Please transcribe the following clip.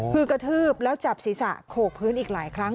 คือกระทืบแล้วจับศีรษะโขกพื้นอีกหลายครั้ง